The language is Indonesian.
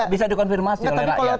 bisa dikonfirmasi oleh rakyat